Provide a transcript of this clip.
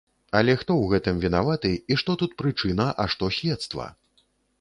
Але хто ў гэтым вінаваты, і што тут прычына, а што следства?